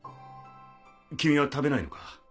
君は食べないのか？